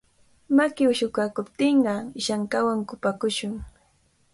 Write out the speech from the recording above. Maki ushunkaakuptinqa ishankawan kupakushun.